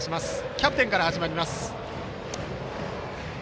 キャプテンから始まる打順。